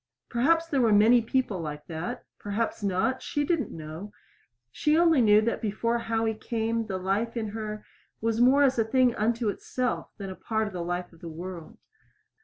Perhaps there were many people like that perhaps not; she did not know. She only knew that before Howie came the life in her was more as a thing unto itself than a part of the life of the world.